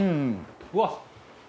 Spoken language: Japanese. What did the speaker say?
うわっ！